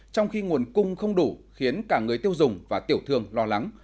trong khi nguồn cung không đủ khiến cả người tiêu dùng và tiểu thương lo lắng